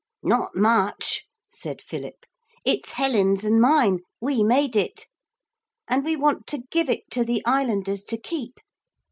'Not much,' said Philip. 'It's Helen's and mine. We made it. And we want to give it to the islanders to keep.